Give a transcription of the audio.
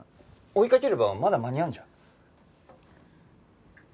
追いかければまだ間に合うんじゃ。